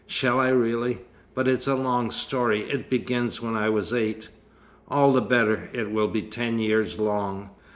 "Shall I really? But it's a long story. It begins when I was eight." "All the better. It will be ten years long."